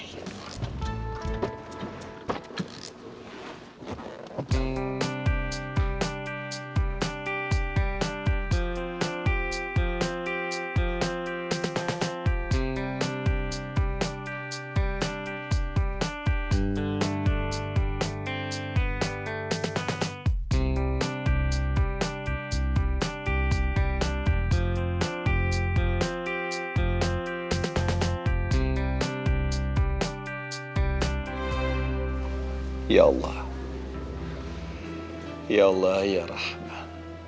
ya allah ya allah ya rahman